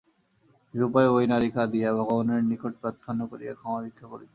নিরুপায় ঐ নারী কাঁদিয়া, ভগবানের নিকট প্রার্থনা করিয়া ক্ষমা ভিক্ষা করিত।